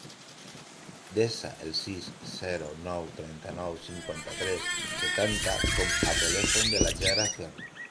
Desa el sis, zero, nou, trenta-nou, cinquanta-tres, setanta com a telèfon de la Yara Ferri.